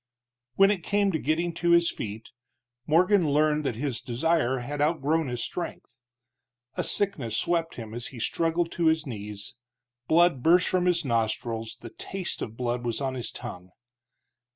When it came to getting to his feet, Morgan learned that his desire had outgrown his strength. A sickness swept him as he struggled to his knees; blood burst from his nostrils, the taste of blood was on his tongue.